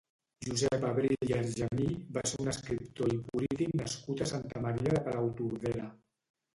Josep Abril i Argemí va ser un escriptor i polític nascut a Santa Maria de Palautordera.